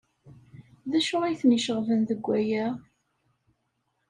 D acu ay ten-iceɣben deg waya?